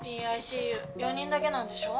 ＰＩＣＵ４人だけなんでしょ？